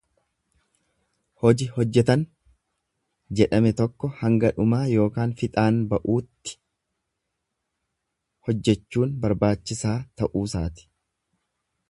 Hoji hojjetan jedhame tokko hanga dhumaa ykn fixaan ba'utti hojjechuun barbaachisaa ta'uusaati.